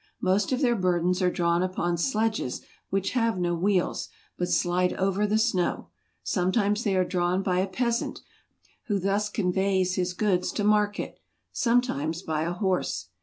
Most of their burdens are drawn upon sledges which have no wheels, but slide over the snow. Sometimes they are drawn by a peasant, who thus conveys his goods to market; sometimes by a horse.